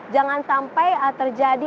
jangan sampai terjadi